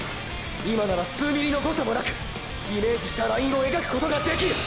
今なら数ｍｍの誤差もなくイメージしたラインを描くことができる！！